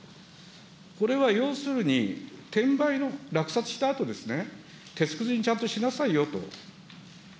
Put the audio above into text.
これは要するに、転売の落札したあとですね、鉄くずにちゃんとしなさいよと。